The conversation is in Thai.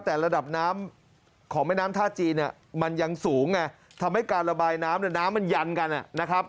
แต่ระดับน้ำของแม่น้ำท่าจีนเนี่ยมันยังสูงไงทำให้การระบายน้ำเนี่ยน้ำมันยันกันนะครับ